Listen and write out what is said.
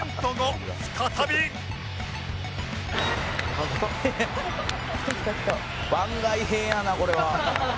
「ハハッ番外編やなこれは」